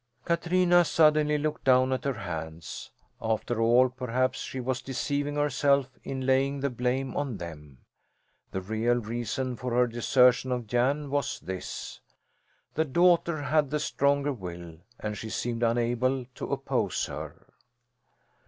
Katrina suddenly looked down at her hands. After all, perhaps she was deceiving herself in laying the blame on them. The real reason for her desertion of Jan was this: the daughter had the stronger will and she seemed unable to oppose her.